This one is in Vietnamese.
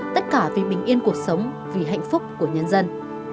tất cả vì bình yên cuộc sống vì hạnh phúc của nhân dân